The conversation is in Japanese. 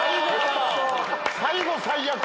最後最悪！